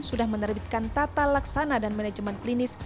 sudah menerbitkan tata laksana dan manajemen klinis